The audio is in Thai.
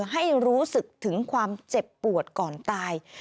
ให้รู้สึกถึงความเจ็บปวดก่อนตาย